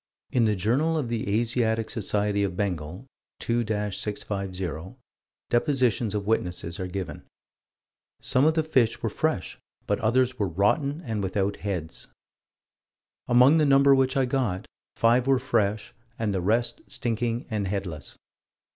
In the Journal of the Asiatic Society of Bengal, 2 650, depositions of witnesses are given: "Some of the fish were fresh, but others were rotten and without heads." "Among the number which I got, five were fresh and the rest stinking and headless."